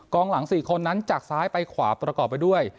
หลัง๔คนนั้นจากซ้ายไปขวาประกอบไปด้วย